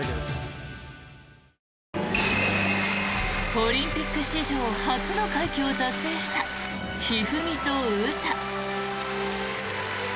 オリンピック史上初の快挙を達成した一二三と詩。